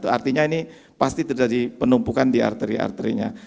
artinya ini pasti terjadi penumpukan di arteri arterinya